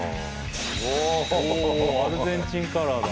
おアルゼンチンカラーだ。